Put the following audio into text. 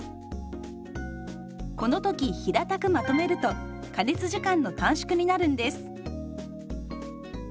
この時平たくまとめると加熱時間の短縮になるんです。